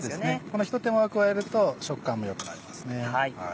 この一手間を加えると食感も良くなりますね。